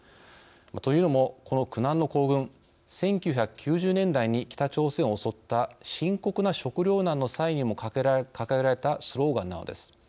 というのも、この苦難の行軍１９９０年代に北朝鮮を襲った深刻な食糧難の際にも掲げられたスローガンなのです。